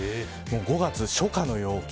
５月初夏の陽気。